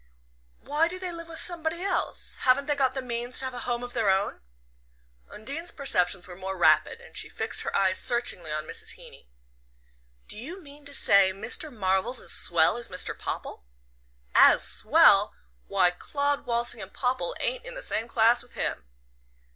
Why do they live with somebody else? Haven't they got the means to have a home of their own?" Undine's perceptions were more rapid, and she fixed her eyes searchingly on Mrs. Heeny. "Do you mean to say Mr. Marvell's as swell as Mr. Popple?" "As swell? Why, Claud Walsingham Popple ain't in the same class with him!"